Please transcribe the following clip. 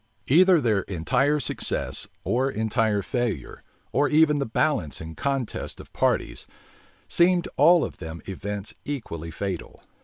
Either their entire success, or entire failure, or even the balance and contest of parties, seemed all of them events equally fatal.